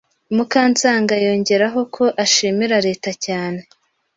Mukansanga yongeraho ko ashimira leta cyane